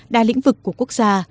đa lĩnh vực của quốc gia